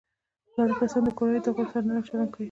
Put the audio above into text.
زاړه کسان د کورنۍ د غړو سره نرم چلند کوي